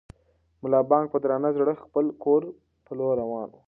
ملا بانګ په درانه زړه د خپل کور په لور روان و.